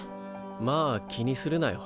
まあ気にするなよ。